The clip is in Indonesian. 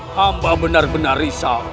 hamba benar benar risau